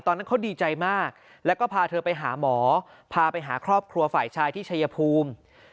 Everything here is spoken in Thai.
ตอนนั้นเขาดีใจมากแล้วก็พาเธอไปหาหมอพาไปหาครอบครัวฝ่ายชายที่ชายภูมิ